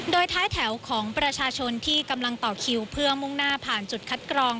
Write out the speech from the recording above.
โดยท้ายแถวของประชาชนที่กำลังต่อคิวเพื่อมุ่งหน้าผ่านจุดคัดกรอง